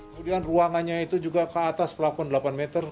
kemudian ruangannya itu juga ke atas pelakon delapan meter